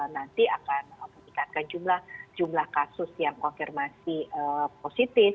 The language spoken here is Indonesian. nanti akan meningkatkan jumlah kasus yang konfirmasi positif